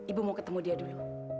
ibu mau ketemu dia dulu